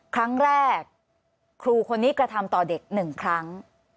ครั้งแรกครูคนนี้กระทำต่อเด็ก๑ครั้ง